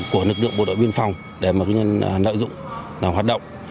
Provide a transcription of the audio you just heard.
của lực lượng bộ đội biên phòng để mà cái nợ dụng hoạt động